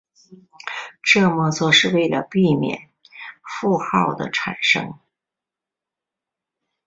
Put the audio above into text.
这么做是为了避免负号的产生。